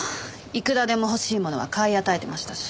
いくらでも欲しいものは買い与えてましたし。